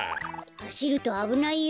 はしるとあぶないよ。